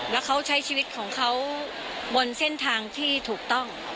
แล้วเขาใช้ชีวิตของเขาบนเส้นทางที่ถูกต้อง